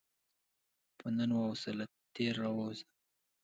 په نن واوسه، له تېر راووځه.